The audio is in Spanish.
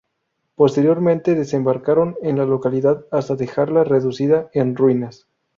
Posteriormente desembarcaron en la localidad hasta dejarla reducida en ruinas.